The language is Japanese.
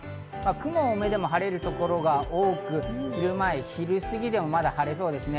雲があっても晴れる所が多く、昼過ぎでもまだ晴れそうですね。